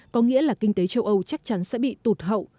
có nghĩa là kinh tế châu âu chắc chắn sẽ bị tụt hậu